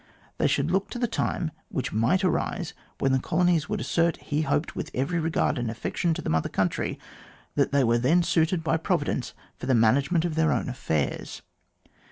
They should look to the time which might arise when the colonies would assert, he hoped with every regard and affection to the Mother Country, that they were then suited by Providence for the management of their own affairs.